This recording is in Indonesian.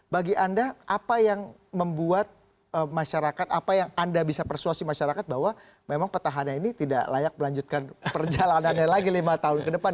bagi anda apa yang membuat masyarakat apa yang anda bisa persuasi masyarakat bahwa memang petahana ini tidak layak melanjutkan perjalanannya lagi lima tahun ke depan